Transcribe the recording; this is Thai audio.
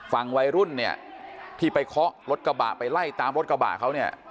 ฝั่งวัยรุ่นที่ไปเคาะรถกระบาดไปไล่ตามรถกระบาดเขา